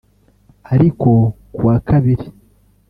ariko ku wa Kabiri